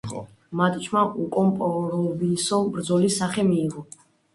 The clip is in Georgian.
მატჩმა უკომპრომისო ბრძოლის სახე მიიღო.